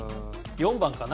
４番かな。